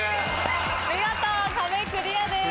見事壁クリアです。